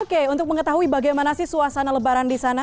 oke untuk mengetahui bagaimana sih suasana lebaran di sana